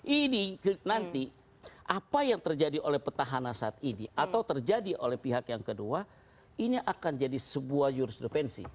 ini nanti apa yang terjadi oleh petahana saat ini atau terjadi oleh pihak yang kedua ini akan jadi sebuah juris defensi